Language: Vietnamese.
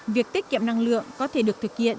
việc tiết kiệm năng lượng có thể được thực hiện